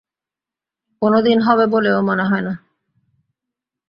কোনোদিন হবে বলেও মনে হয় না।